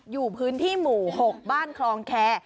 อยู่พื้นที่หมู่๖บ้านคลองแคร์